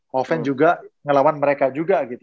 hoven juga ngelawan mereka juga gitu